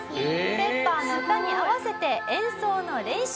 ペッパーの歌に合わせて演奏の練習。